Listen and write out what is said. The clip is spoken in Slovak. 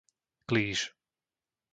Klíž